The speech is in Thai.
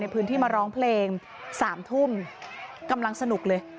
พื้นที่มาร้องเพลง๓ทุ่มกำลังสนุกเลย